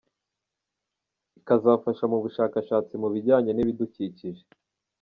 Ikazafasha mu bushakashatsi mu bijyanye n’ibidukikije.